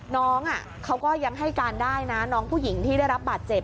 น้องเขาก็ยังให้การได้นะน้องผู้หญิงที่ได้รับบาดเจ็บ